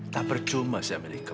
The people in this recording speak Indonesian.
tak bercuma sih ami leko